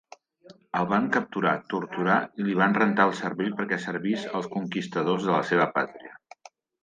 El van capturar, torturar i li van rentar el cervell perquè servís els conquistadors de la seva pàtria.